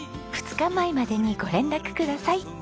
２日前までにご連絡ください。